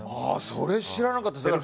それ知らなかったです。